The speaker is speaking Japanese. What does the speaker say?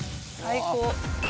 最高。